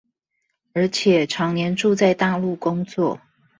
而且長年住在大陸工作